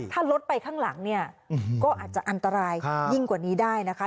ถ้ารถไปข้างหลังเนี่ยก็อาจจะอันตรายยิ่งกว่านี้ได้นะคะ